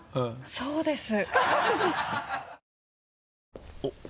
そうです。